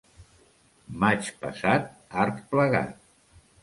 Maig passat, art plegat.